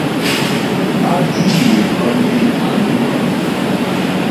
Á jwǐ é pə́ méku.